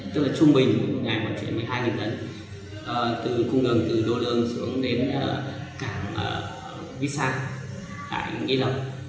tức là trung bình mỗi ngày hoạt chuyển một mươi hai tấn từ cung đường từ đô lương xuống đến cảng vĩ sa tại nghĩa rộng